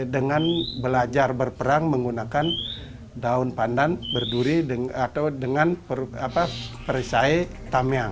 dengan belajar berperang menggunakan daun pandan berduri atau dengan perisai tamyang